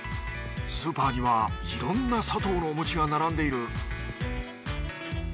スーパーにはいろんなサトウのお餅が並んでいる。